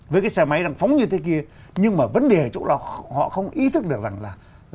với cái xe máy đang phóng như thế kia nhưng mà vấn đề chỗ là họ không ý thức được rằng là